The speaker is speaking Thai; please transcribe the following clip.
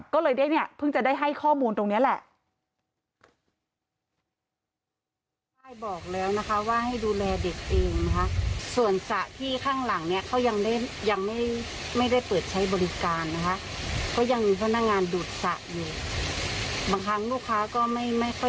ก็เลยได้เนี่ยเพิ่งจะได้ให้ข้อมูลตรงนี้แหละ